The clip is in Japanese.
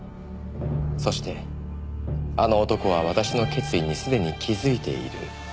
「そしてあの男は私の決意にすでに気づいている」